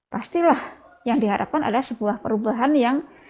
pastilah yang diharapkan adalah sebuah perubahan yang